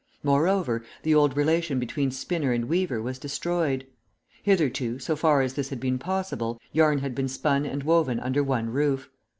Moreover, the old relation between spinner and weaver was destroyed. Hitherto, so far as this had been possible, yarn had been spun and woven under one roof.